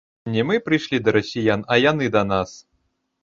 Не мы прыйшлі да расіян, а яны да нас.